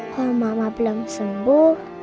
kok mama belum sembuh